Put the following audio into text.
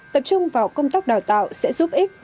tập trung vào công tác đào tạo sẽ giúp ích